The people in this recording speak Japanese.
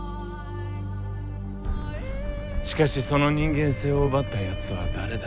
しかしその人間性を奪ったやつは誰だ？